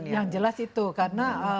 yang jelas itu karena